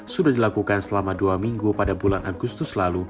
sudah dilakukan selama dua minggu pada bulan agustus lalu